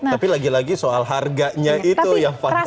tapi lagi lagi soal harganya itu yang fantastis